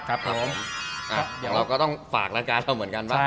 ครับผม